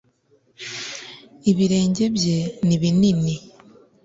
Ibirenge bye ni binini